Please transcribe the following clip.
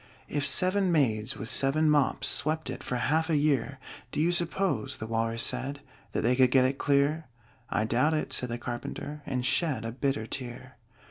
"If seven maids with seven mops Swept it for half a year, Do you suppose," the Walrus said, "That they could get it clear?" "I doubt it," said the Carpenter, And shed a bitter tear.